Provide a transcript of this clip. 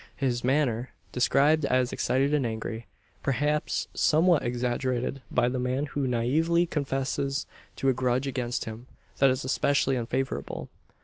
His manner, described as excited and angry, perhaps somewhat exaggerated by the man who naively confesses to a grudge against him. That is especially unfavourable.